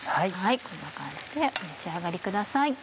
こんな感じでお召し上がりください。